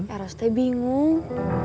eros kau bingung